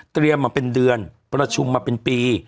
มาเป็นเดือนประชุมมาเป็นปี